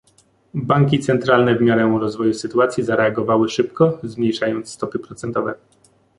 Banki centralne, w miarę rozwoju sytuacji, zareagowały szybko, zmniejszając stopy procentowe